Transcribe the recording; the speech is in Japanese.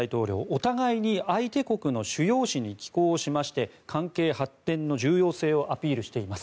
お互いに相手国の主要紙に寄稿しまして関係発展の重要性をアピールしています。